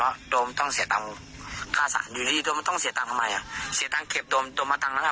เอาเรื่องยาวผมก็เอาไม่ได้เพราะผมมีศานครอบพี่ไม่รู้ไง